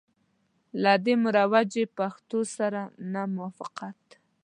له دې مروجي پښتو سره نه موافقت.